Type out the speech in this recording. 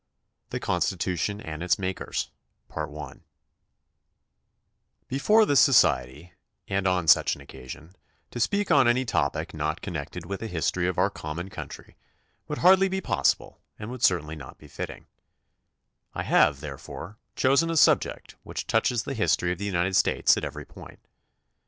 THE CONSTITUTION AND ITS MAKERS ^ Before this society and on such an occasion, to speak on any topic not connected with the history of our common country would hardly be possible and would certainly not be fitting, I have, therefore, chosen a subject which touches the history of the United States at every point.